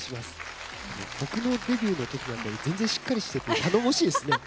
僕のデビューのときより全然しっかりしていて頼もしいですね。